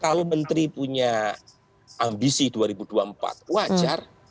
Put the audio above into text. kalau menteri punya ambisi dua ribu dua puluh empat wajar